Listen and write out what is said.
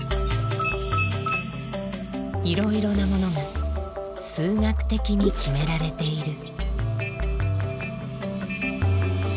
いろいろなものが数学的に決められている。